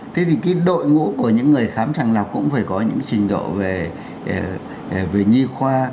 thế thì cái đội ngũ của những người khám sàng lọc cũng phải có những trình độ về nhi khoa